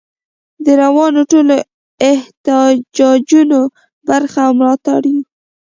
د روانو ټولو احتجاجونو برخه او ملاتړ یو.